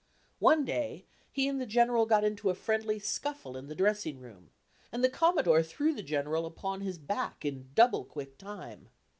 One day he and the General got into a friendly scuffle in the dressing room, and the Commodore threw the General upon his back in "double quick" time.